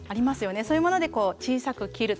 そういうもので小さく切るとか。